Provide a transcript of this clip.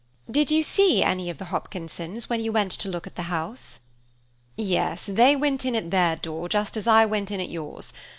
"Did you see any of the Hopkinsons when you went to look at the house?" "Yes, they went in at their door just as I went in at yours.